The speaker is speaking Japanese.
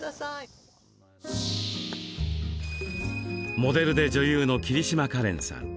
モデルで女優の桐島かれんさん。